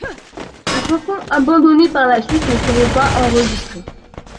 Ces chansons, abandonnées par la suite, ne seront pas enregistrées.